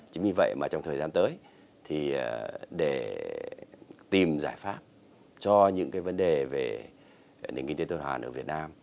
chính vì vậy mà trong thời gian tới thì để tìm giải pháp cho những cái vấn đề về nền kinh tế tuần hoàn ở việt nam